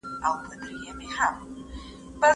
هغه څوک چي په خيال کي ماڼۍ جوړوي ناکام دی.